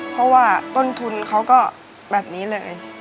เพราะว่าต้นทุนเขาก็แบบนี้เลย